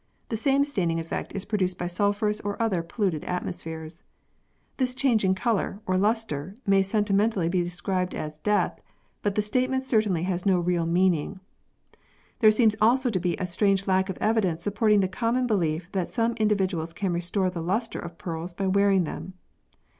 The same staining effect is produced by sulphurous or other polluted atmospheres. This change in colour, or lustre, may sentimentally be described as " death," but the statement certainly has no real meaning. There seems also to be a strange lack of evidence supporting the common belief that some individuals can restore the lustre of pearls by wearing them.